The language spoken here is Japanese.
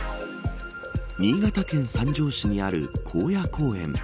新潟県三条市にある興野公園。